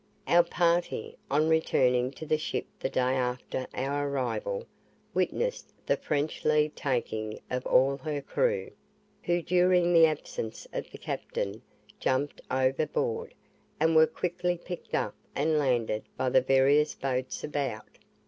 Our party, on returning to the ship the day after our arrival, witnessed the French leave taking of all her crew, who during the absence of the captain, jumped overboard, and were quickly picked up and landed by the various boats about.